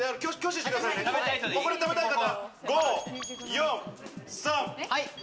ここで食べたい人。